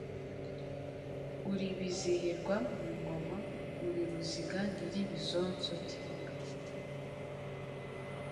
Uri Bizihirwa mu ngoma Uri Ruziga nyiri ibizinzo by'inka,